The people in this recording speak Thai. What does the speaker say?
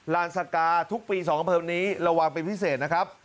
ลานสกาทุกปี๒อำเภอนี้ระวังเป็นพิเศษนะครับ